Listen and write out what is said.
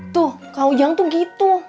tuh kak ujang tuh gitu